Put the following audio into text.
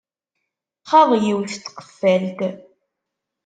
Txaḍ yiwet n tqeffalt.